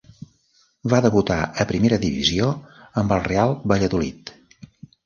Va debutar a primera divisió amb el Real Valladolid.